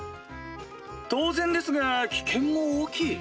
当然ですが危険も大きい。